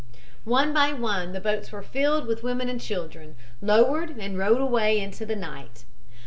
"One by one, the boats were filled with women and children, lowered and rowed away into the night.